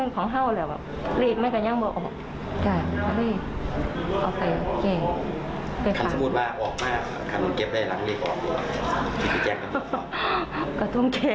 อันนี้แม่งอียางเนี่ย